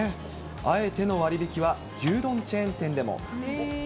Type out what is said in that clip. あえての割引は牛丼チェーン店でも。